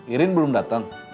irin belum dateng